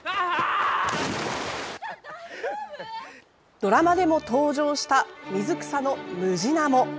ドラマでも登場した水草のムジナモ。